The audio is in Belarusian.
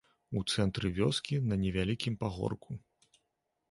У цэнтры вёскі, на невялікім пагорку.